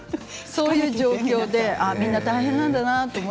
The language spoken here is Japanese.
そういう状況で、みんな大変なんだなと。